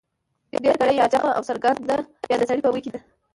ډېرگړې يا جمع او څرگنده يا د سړي په ویي کې ده